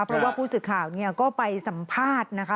เพราะว่าผู้สื่อข่าวเนี่ยก็ไปสัมภาษณ์นะคะ